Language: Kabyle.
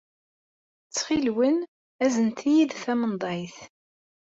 Ttxil-wen, aznet-iyi-d tamenḍayt.